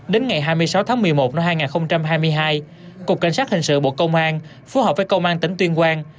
đến ngày hai mươi sáu tháng một mươi một năm hai nghìn hai mươi hai cục cảnh sát hình sự bộ công an phối hợp với công an tỉnh tuyên quang